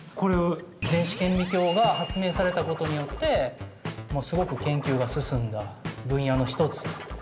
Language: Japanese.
電子顕微鏡が発明されたことによってすごく研究が進んだ分野の一つ。